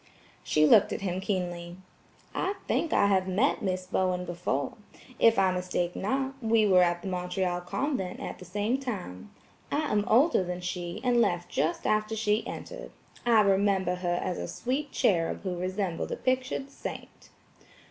She looked at him keenly. "I think I have met Miss Bowen before. If I mistake not, we were at the Montreal convent at the same time. I am older than she, and left just after she entered. I remember her as a sweet cherub who resembled a pictured saint."